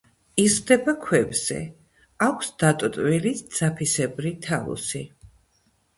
იზრდება ქვებზე, აქვს დატოტვილი ძაფისებრი თალუსი.